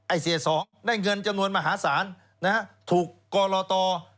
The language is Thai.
เสียสองได้เงินจำนวนมหาศาลนะฮะถูกกรต